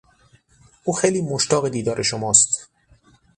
او خیلی مشتاق دیدار شماست.